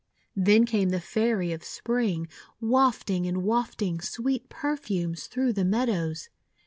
Then came the Fairy of Spring, wafting and wafting sweet perfumes through the meadows.